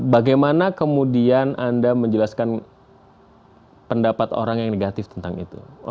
bagaimana kemudian anda menjelaskan pendapat orang yang negatif tentang itu